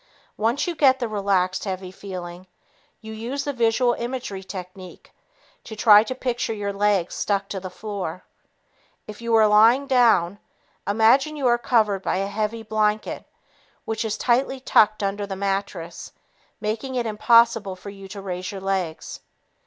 Once you get the relaxed, heavy feeling, you use the visual imagery technique to try to picture your legs stuck to the floor. If you are lying down, imagine you are covered by a heavy blanket which is tightly tucked under the mattress, making it impossible for you to raise your legs.